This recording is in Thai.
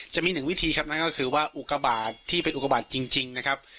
จะมีหนึ่งวิธีครับนั่นก็คือว่าอุกบาทที่เป็นอุกบาทจริงนะครับ